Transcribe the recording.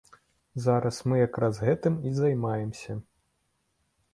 Зараз мы як раз гэтым і займаемся.